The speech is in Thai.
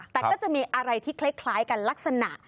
แต่ก็จะมีอะไรที่คล้ายกันลักษณะ